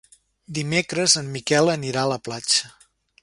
Dimecres en Miquel anirà a la platja.